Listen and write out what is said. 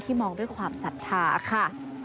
มองด้วยความศรัทธาค่ะ